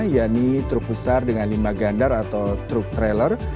yaitu truk besar dengan lima gandar atau truk trailer